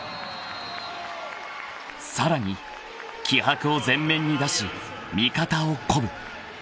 ［さらに気迫を前面に出し味方を鼓舞］